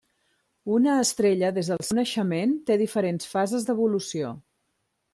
Una estrella des del seu naixement té diferents fases d'evolució.